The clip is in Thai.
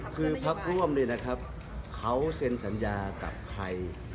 คือพักร่วมเนี่ยนะครับเขาเซ็นสัญญากับใคร